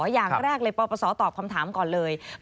อย่างแรกเลยปปศตอบคำถามก่อนเลย